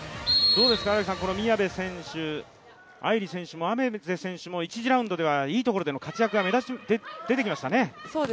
宮部選手、藍梨選手も愛芽世選手も１次ラウンドではいいところでの活躍が出てきましたね。